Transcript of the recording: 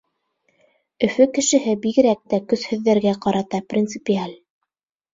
Өфө кешеһе бигерәк тә көсһөҙҙәргә ҡарата принципиаль.